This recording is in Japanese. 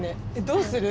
「どうする？」。